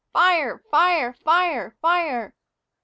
Fire! Fire! Fire! Fire!